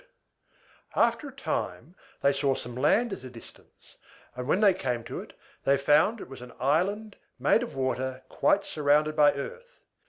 After a time, they saw some land at a distance; and, when they came to it, they found it was an island made of water quite surrounded by earth.